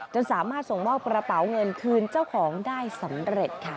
จนสามารถส่งมอบกระเป๋าเงินคืนเจ้าของได้สำเร็จค่ะ